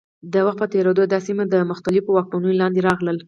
د وخت په تېرېدو دا سیمه د مختلفو واکمنیو لاندې راغله.